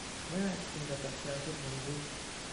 Mince, tu nous as percé à jour Jañ-Do !